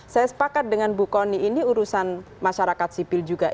saya sepakat dengan bu kony ini urusan masyarakat sipil juga